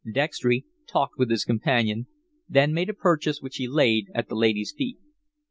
Dextry talked with his companion, then made a purchase which he laid at the lady's feet.